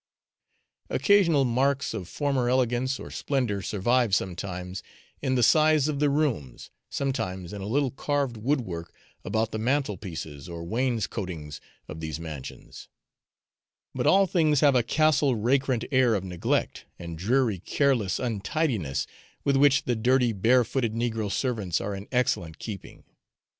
Occasional marks of former elegance or splendour survive sometimes in the size of the rooms, sometimes in a little carved wood work about the mantelpieces or wainscoatings of these mansions; but all things have a Castle Rackrent air of neglect, and dreary careless untidiness, with which the dirty bare footed negro servants are in excellent keeping.